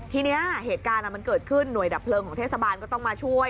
ทีนี้เหตุการณ์มันเกิดขึ้นหน่วยดับเพลิงของเทศบาลก็ต้องมาช่วย